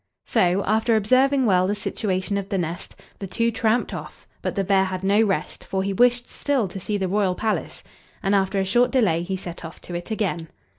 So, after observing well the situation of the nest, the two tramped off, but the bear had no rest, for he wished still to see the royal palace, and after a short delay he set off to it again.